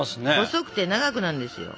細くて長くなんですよ。